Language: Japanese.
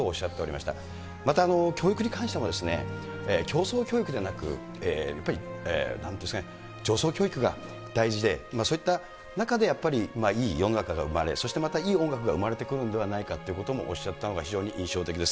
また、教育に関しても、競争教育でなく、やっぱりなんていうんですかね、情操教育が大事で、そういった中でやっぱり、いい世の中が生まれ、そしてまたいい音楽が生まれてくるのではないかということもおっしゃったのが非常に印象的です。